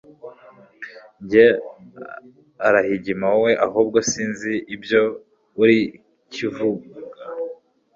Njye arahigima wowe ahubwo sinzi ibyo uri kivuga